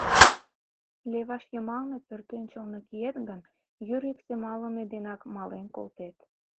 Леваш йымалне, пӧртӧнчылнӧ киет гын, йӱр йӱк семалыме денак мален колтет.